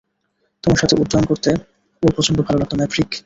তোমার সাথে উড্ডয়ন করতে ওর প্রচণ্ড ভালো লাগতো, ম্যাভরিক।